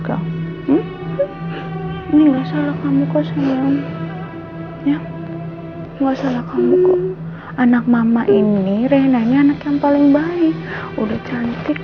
kamu kok senyum ya nggak salah kamu kok anak mama ini reina ini anak yang paling baik udah cantik